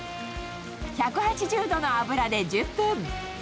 １８０度の油で１０分。